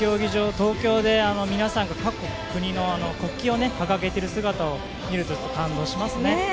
東京で皆さんが各国国旗を掲げている姿を見ると感動しますね。